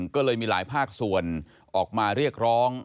ก็เลยมีหลายภาคส่วนออกมาเรียกร้อง